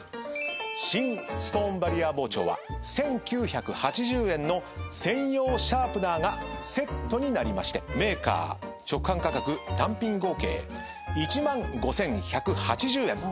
新ストーンバリア包丁は１，９８０円の専用シャープナーがセットになりましてメーカー直販価格単品合計１５，１８０円。